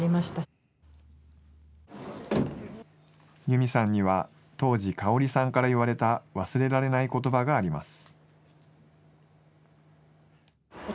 ユミさんには当時、香さんから言われた忘れられないことばがあります。